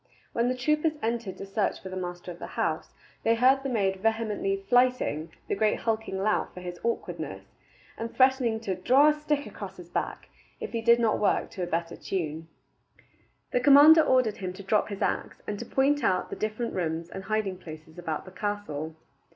When the troopers entered to search for the master of the house, they heard the maid vehemently "flyting" the great hulking lout for his awkwardness, and threatening to "draw a stick across his back" if he did not work to a better tune. The commander ordered him to drop his axe, and to point out the different rooms and hiding places about the castle.